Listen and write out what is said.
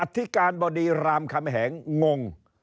ธิการบดีรามคำแหงง